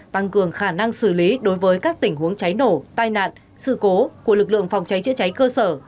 tăng cường khả năng xử lý đối với các tình huống cháy nổ tai nạn sự cố của lực lượng phòng cháy chữa cháy cơ sở